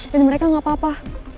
dan mereka gak apa apa